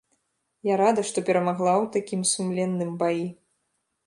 Я рада, што перамагла ў такім сумленным баі.